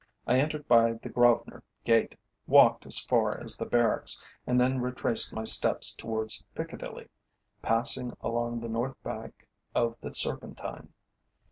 I entered by the Grosvenor Gate, walked as far as the Barracks, and then retraced my steps towards Piccadilly, passing along the north bank of the Serpentine.